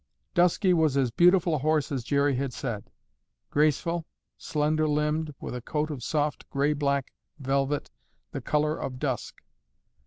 Dusky was as beautiful a horse as Jerry had said. Graceful, slender limbed, with a coat of soft gray black velvet—the color of dusk.